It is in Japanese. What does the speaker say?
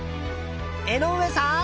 江上さん！